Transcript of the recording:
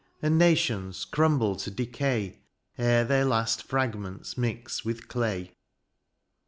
And nations crumble to decay. Ere their last fragments mix with clay.